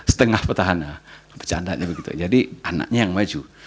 setengah petahana jadi anaknya yang maju